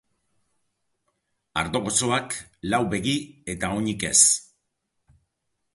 Ardo gozoak lau begi eta oinik ez.